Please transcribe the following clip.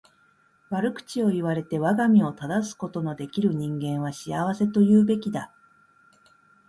悪口を言われて我が身を正すことの出来る人間は幸せと言うべきだ。